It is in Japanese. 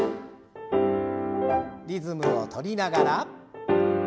リズムを取りながら。